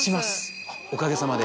おかげさまで。